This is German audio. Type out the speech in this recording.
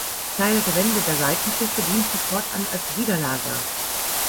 Teile der Wände der Seitenschiffe dienten fortan als Widerlager.